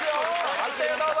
判定どうぞ！